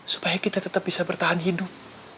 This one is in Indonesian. supaya kita tetap bisa bertahan hidup